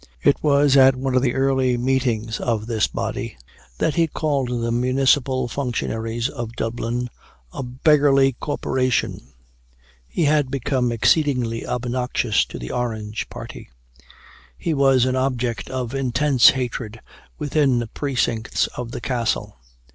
It was at one of the early meetings of this body that he called the municipal functionaries of Dublin, "a beggarly Corporation." He had become exceedingly obnoxious to the Orange party. He was an object of intense hatred within the precincts of the Castle.